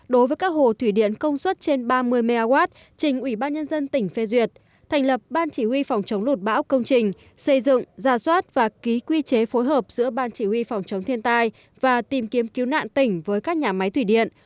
đối với các hồ thủy điện công suất trên ba mươi mw trình ủy ban nhân dân tỉnh phê duyệt thành lập ban chỉ huy phòng chống lụt bão công trình xây dựng giả soát và ký quy chế phối hợp giữa ban chỉ huy phòng chống thiên tai và tìm kiếm cứu nạn tỉnh với các nhà máy thủy điện